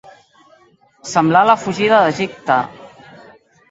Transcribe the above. Semblar la fugida d'Egipte.